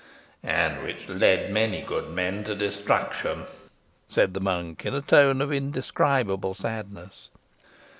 "And which led many good men to destruction," said the monk, in a tone of indescribable sadness.